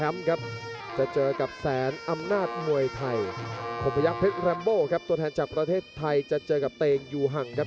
จะเจอกับแสนอำนาจมวยไทยคมพยักษ์เพชรแรมโบครับตัวแทนจากประเทศไทยจะเจอกับเตงอยู่ห่างครับ